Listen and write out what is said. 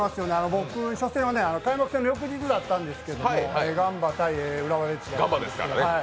僕初戦は開幕戦の翌日だったんですけど、ガンバ×浦和レッズで。